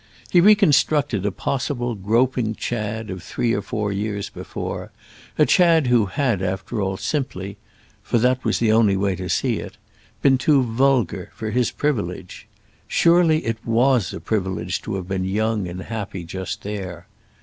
He reconstructed a possible groping Chad of three or four years before, a Chad who had, after all, simply—for that was the only way to see it—been too vulgar for his privilege. Surely it was a privilege to have been young and happy just there.